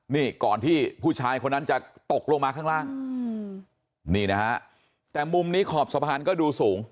นี่ก่อนที่ผู้ชายคนนั้นจะตกลงมาข้างล่างนี่นะฮะแต่มุมนี้ขอบสะพานก็ดูสูง